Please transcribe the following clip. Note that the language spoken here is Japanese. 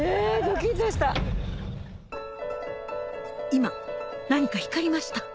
今何か光りました